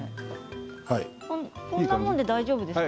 こんなもので大丈夫ですかね？